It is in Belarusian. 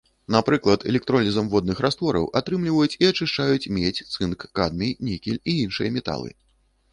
Напрыклад, электролізам водных раствораў атрымліваюць і ачышчаюць медзь, цынк, кадмій, нікель і іншыя металы.